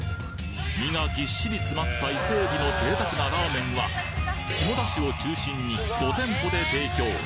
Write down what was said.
身がぎっしり詰まった伊勢海老の贅沢なラーメンは下田市を中心に５店舗で提供。